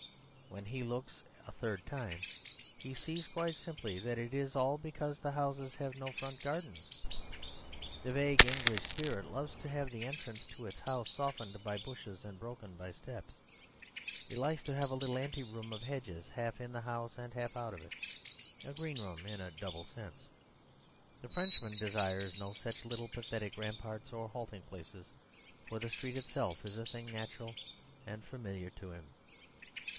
When he looks a third time he sees quite simply that it is all because the houses have no front gardens. The vague English spirit loves to have the entrance to its house softened by bushes and broken by steps. It likes to have a little anteroom of hedges half in the house and half out of it; a green room in a double sense. The Frenchman desires no such little pathetic ramparts or halting places, for the street itself is a thing natural and familiar to him.